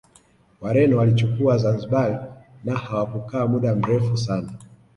Wareno waliichukua Zanzibar na hawakukaa muda mrefu sana